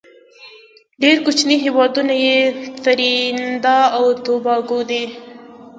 ډیر کوچینی هیوادونه یې تريندا او توباګو دی.